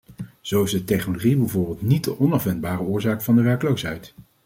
Zo is de technologie bijvoorbeeld niet de onafwendbare oorzaak van de werkloosheid.